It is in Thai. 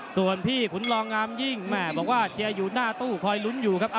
ส่วนพี่ขุนรองงามยิ่งแม่บอกว่าเชียร์อยู่หน้าตู้คอยลุ้นอยู่ครับ